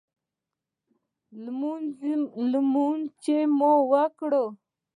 لمونځ چې مو وکړ.